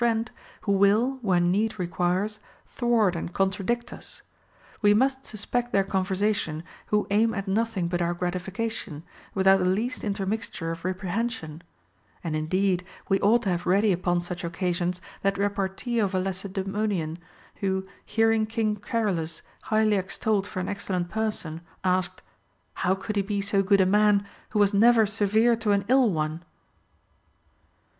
friend, who will, when need requires, thwart and contradict us ; we must suspect their conversation who aim at nothing but our gratification, without the least intermixture of rep rehension ; and indeed we ought to have ready upon such occasions that repartee of a Lacedaemonian who, hearing King Charillus highly extolled for an excellent person, asked, How he could be so good a man, who was never severe to an ill one